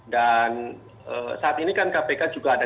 dan saat ini kan kpk juga ada